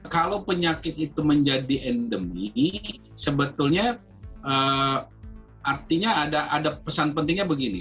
kalau penyakit itu menjadi endemi sebetulnya artinya ada pesan pentingnya begini